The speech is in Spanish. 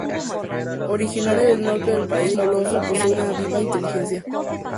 Originario del norte del país, este moloso posee una viva inteligencia.